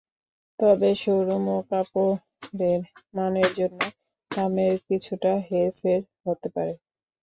তবে শোরুম ও কাপড়ের মানের জন্য দামের কিছুটা হেরফের হতে পারে।